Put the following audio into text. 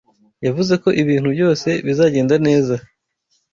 Yavuze ko ibintu byose bizagenda neza.